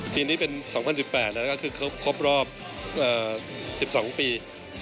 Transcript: ปีนี้เป็น๒๐๑๘แล้วก็คือครบรอบ๑๒ปี